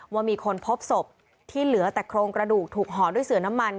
ว่ามีคนพบศพที่เหลือแต่โครงกระดูกถูกห่อด้วยเสือน้ำมัน